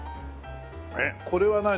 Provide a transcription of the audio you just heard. えっこれは何？